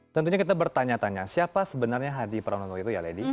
tentunya kita bertanya tanya siapa sebenarnya hadi pranoto itu ya lady